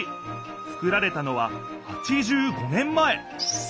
つくられたのは８５年前。